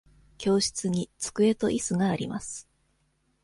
教室に机といすがあります。